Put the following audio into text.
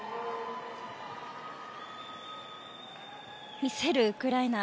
見せるウクライナ。